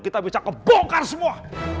kita bisa kebongkar semua